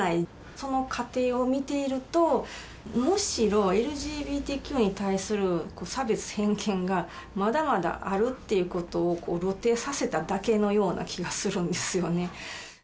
その過程を見ていると、むしろＬＧＢＴＱに対する差別、偏見がまだまだあるっていうことを露呈させただけのような気がするんですよね。